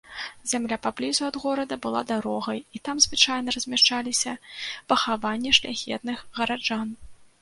Зямля паблізу ад горада была дарогай, і там звычайна размяшчаліся пахаванні шляхетных гараджан.